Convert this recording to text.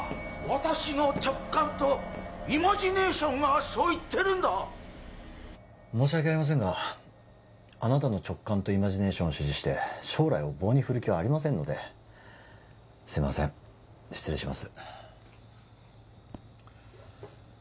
私の直感とイマジネーションがそう言ってるんだ申し訳ありませんがあなたの直感とイマジネーションを支持して将来を棒に振る気はありませんのですいません失礼します